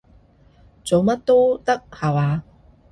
做乜都得下話？